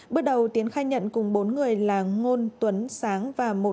bước đầu tiến khai nhận cùng bốn người là ngôn tuấn sáng và một